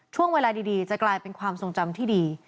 ช่วงเวลาดีจะกลายเป็นความทรงจำที่ดี